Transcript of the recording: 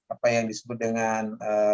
apa yang disebut dengan